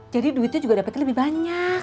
jadi duitnya juga dapetnya lebih banyak